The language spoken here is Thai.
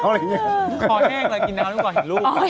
ขอแห้งอะไรกินน้ำนั่นกว่าเห็นรูป